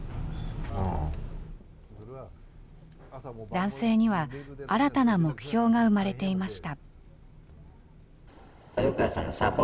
男性には新たな目標が生まれていました。